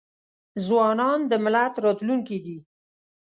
ځوانان د ملت راتلونکې دي.